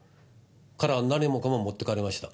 彼は何もかも持ってかれました。